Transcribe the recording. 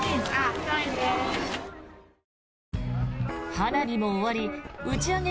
花火も終わり打ち上げ